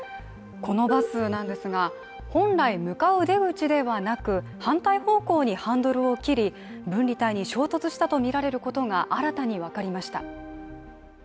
このバスなんですが、本来向かう出口ではなく反対方向にハンドルを切り分離帯に衝突したとみられることが新たに分かりました。